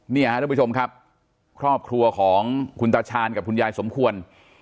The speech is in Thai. ท่านผู้ชมครับครอบครัวของคุณตาชาญกับคุณยายสมควร